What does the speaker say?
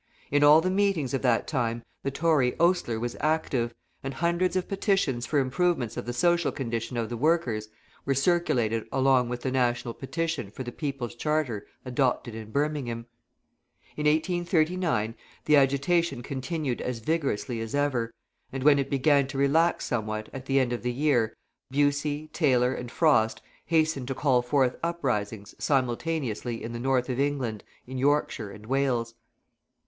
In all the meetings of that time the Tory Oastler was active, and hundreds of petitions for improvements of the social condition of the workers were circulated along with the national petition for the People's Charter adopted in Birmingham. In 1839 the agitation continued as vigorously as ever, and when it began to relax somewhat at the end of the year, Bussey, Taylor, and Frost hastened to call forth uprisings simultaneously in the North of England, in Yorkshire, and Wales.